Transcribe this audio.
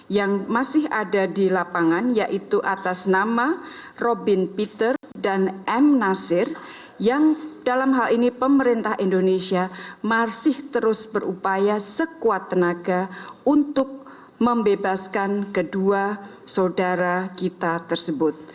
yang masih ada di lapangan yaitu atas nama robin peter dan m nasir yang dalam hal ini pemerintah indonesia masih terus berupaya sekuat tenaga untuk membebaskan kedua saudara kita tersebut